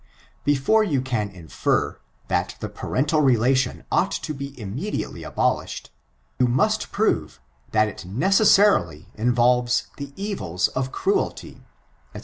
Before you can infer, that the parental relation ought , to be immediately abolished, you must prove, that it nece9sarUy involves the evils of cruelty, &c.